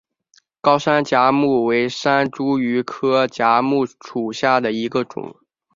高山梾木为山茱萸科梾木属下的一个种。